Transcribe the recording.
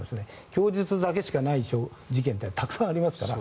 供述だけしかない事件ってたくさんありますから。